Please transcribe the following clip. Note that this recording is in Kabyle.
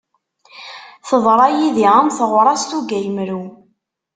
Teḍṛa yid-i, am teɣṛast ugayemru.